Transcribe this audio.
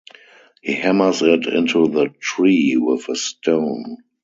He hammers it into the tree with a stone.